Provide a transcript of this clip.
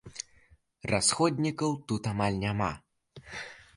Расходнікаў тут амаль няма.